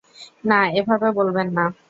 না, এভাবে বলবেননা।